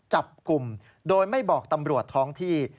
จับกลุ่มโดยไม่บอกตำรวจท้องที่